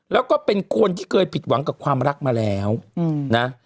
แล้วก็เป็นคนที่เคยผิดหวังกับความรักมาแล้วนะ